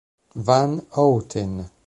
Van Houten